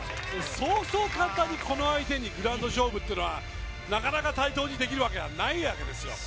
そうそう簡単に、この相手にグラウンド勝負というのはなかなか対等にできるわけがないんですよ。